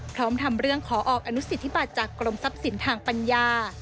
พร้อมทำเรื่องขอออกอนุสิทธิบัติจากกรมทรัพย์สินทางปัญญา